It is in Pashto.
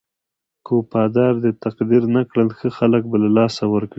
که وفادار دې تقدير نه کړل ښه خلک به له لاسه ورکړې.